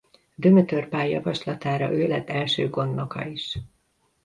Dömötör Pál javaslatára ő lett első gondnoka is.